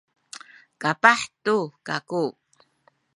kapah tu kaku